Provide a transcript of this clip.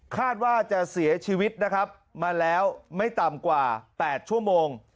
คาดว่าจะเสียชีวิตนะครับมาแล้วไม่ต่ำกว่า๘ชั่วโมง